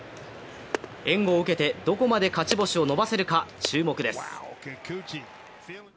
援護を受けて、どこまで勝ち星を伸ばせるか注目です。